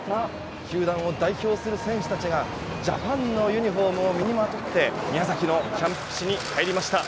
球団を代表する選手たちがジャパンのユニホームを身にまとって宮崎のキャンプ地に入りました。